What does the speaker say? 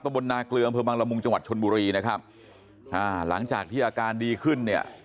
บนนาเกลืออำเภอบังละมุงจังหวัดชนบุรีนะครับอ่าหลังจากที่อาการดีขึ้นเนี่ย